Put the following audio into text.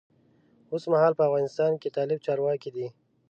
اوسمهال په افغانستان کې طالب چارواکی دی.